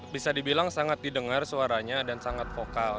bisa dibilang sangat didengar suaranya dan sangat vokal